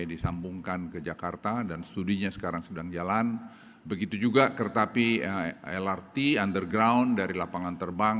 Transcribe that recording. disambungkan ke jakarta dan studinya sekarang sedang jalan begitu juga kereta api lrt underground dari lapangan terbang